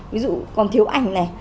ví dụ còn thiếu ảnh này